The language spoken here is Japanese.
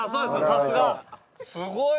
さすが！